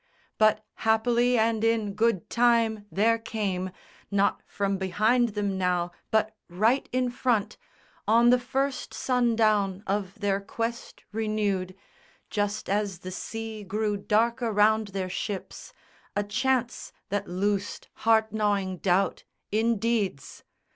But happily and in good time there came, Not from behind them now, but right in front, On the first sun down of their quest renewed, Just as the sea grew dark around their ships, A chance that loosed heart gnawing doubt in deeds.